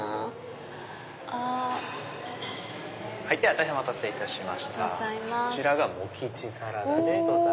大変お待たせいたしましたこちらがモキチサラダです。